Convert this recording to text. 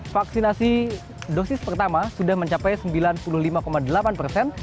vaksinasi dosis pertama sudah mencapai sembilan puluh lima delapan persen